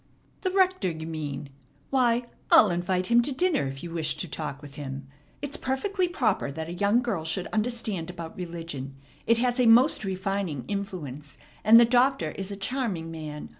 "The rector, you mean? Why, I'll invite him to dinner if you wish to talk with him. It's perfectly proper that a young girl should understand about religion. It has a most refining influence, and the Doctor is a charming man.